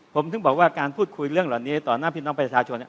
ผมถึงบอกว่าการพูดคุยเรื่องเหล่านี้ต่อหน้าพี่น้องประชาชน